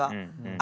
あ